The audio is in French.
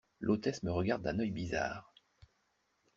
L’hôtesse me regarde d'un œil bizarre.